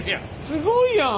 すごいやん！